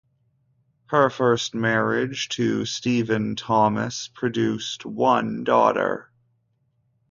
Her first marriage, to Stephen Thomas, produced one daughter.